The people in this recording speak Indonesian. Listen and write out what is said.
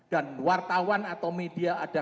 dan wartawan atau media ada yang mengatakan